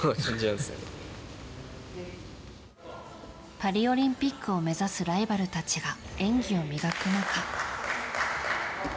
パリオリンピックを目指すライバルたちが演技を磨く中。